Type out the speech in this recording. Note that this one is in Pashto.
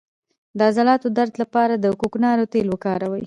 د عضلاتو درد لپاره د کوکنارو تېل وکاروئ